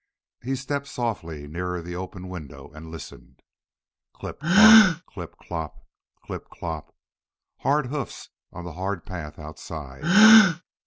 He stepped softly nearer the open window and listened. Clip clop! clip clop! clip clop! Hard hoofs on the hard path outside!